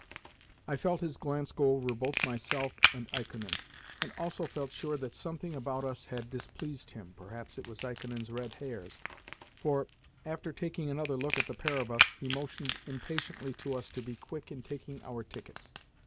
I felt his glance go over both myself and Ikonin, and also felt sure that something about us had displeased him (perhaps it was Ikonin's red hairs), for, after taking another look at the pair of us, he motioned impatiently to us to be quick in taking our tickets.